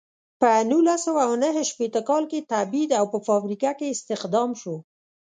په نولس سوه نهه شپیته کال کې تبعید او په فابریکه کې استخدام شو.